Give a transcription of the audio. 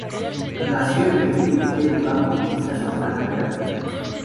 Nació en Berlín, y fue educado con vistas a una carrera militar.